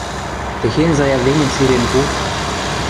— Техень заявленим сирен пу...